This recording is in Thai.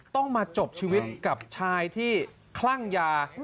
ต้องมาจบชีวิตกับชายที่คลั่งยา